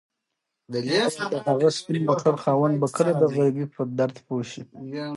ایا د هغه سپین موټر خاوند به کله د غریبۍ په درد پوه شي؟